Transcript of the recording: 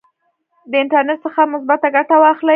د انټرنیټ څخه مثبته ګټه واخلئ.